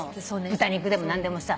豚肉でも何でもさ。